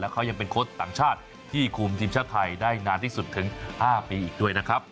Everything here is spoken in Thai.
เขายังเป็นโค้ชต่างชาติที่คุมทีมชาติไทยได้นานที่สุดถึง๕ปีอีกด้วยนะครับ